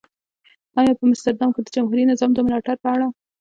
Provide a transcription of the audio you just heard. او په مستر دام کې د جمهوري نظام د ملاتړ په اړه.